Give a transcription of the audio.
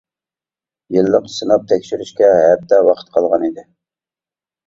يىللىق سىناپ تەكشۈرۈشكە ھەپتە ۋاقىت قالغان ئىدى.